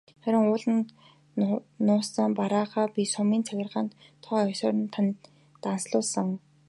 Харин ууланд нуусан бараагаа би сумын захиргаанд тоо ёсоор нь данслуулсан.